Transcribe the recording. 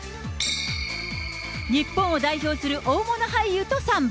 日本を代表する大物俳優とサンバ。